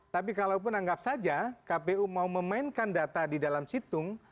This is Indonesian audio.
tapi kalaupun anggap saja kpu mau memainkan data di dalam situng